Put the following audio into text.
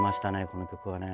この曲はね。